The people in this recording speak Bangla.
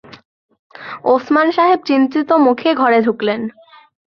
ওসমান সাহেব চিন্তিত মুখে ঘরে ঢুকলেন।